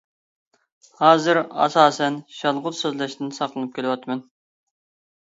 ھازىر ئاساسەن شالغۇت سۆزلەشتىن ساقلىنىپ كېلىۋاتىمەن.